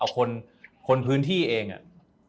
คนพื้นที่เองอะ